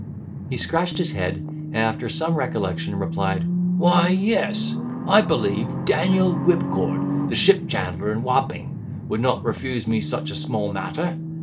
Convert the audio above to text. He scratched his head, and after some recollection, replied, "Why, yes, I believe Daniel Whipcord, the ship chandler in Wapping, would not refuse me such a small matter.